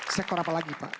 sektor apa lagi pak